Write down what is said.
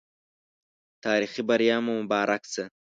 تاريخي بریا مو مبارک سه